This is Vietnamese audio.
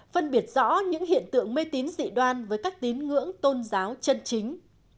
phân biệt rõ những hiện tượng mê tín dị đoan với các tín ngưỡng tôn giáo chân chính